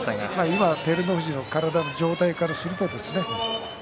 今の照ノ富士の体の状態からするとですね